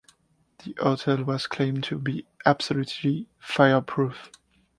The hotel was claimed to be "absolutely fireproof".